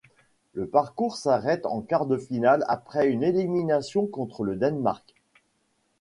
Le parcours s'arrête en quart de finale après une élimination contre le Danemark.